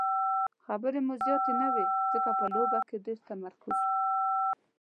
خبرې مو زیاتې نه وې ځکه په لوبه کې ډېر تمرکز وو.